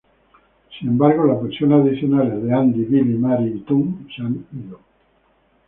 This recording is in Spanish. Sin embargo, las versiones adicionales de Andy, Billy, Mary y Tung se han ido.